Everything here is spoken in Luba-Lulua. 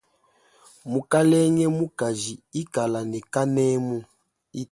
Mukalenge mukaji ikala ne kanemu.